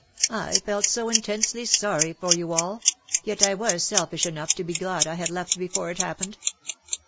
I felt so intensely sorry for you all — yet I was selfish enough to be glad I had left before it happened.